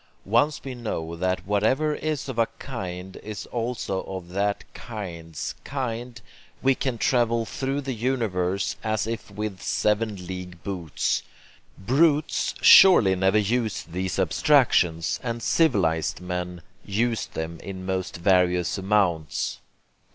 Once we know that whatever is of a kind is also of that kind's kind, we can travel through the universe as if with seven league boots. Brutes surely never use these abstractions, and civilized men use them in most various amounts.